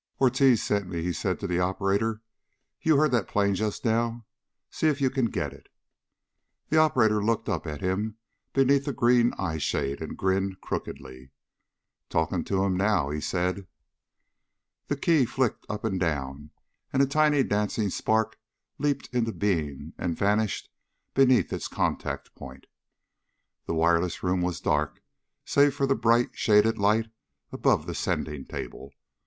"Ortiz sent me," he said to the operator. "You heard that plane just now. See if you can get it." The operator looked up at him beneath a green eyeshade and grinned crookedly. "Talking to 'em now," he said. The key flicked up and down, and a tiny dancing spark leaped into being and vanished beneath its contact point. The wireless room was dark save for the bright, shaded light above the sending table.